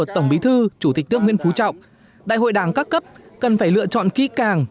tổng bí thư chủ tịch nước nguyễn phú trọng đại hội đảng các cấp cần phải lựa chọn kỹ càng